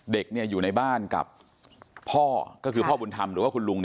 เด็กอยู่ในบ้านกับพ่อก็คือพ่อบุญธรรมหรือว่าคุณลุง